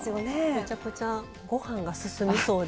めちゃくちゃご飯が進みそうで。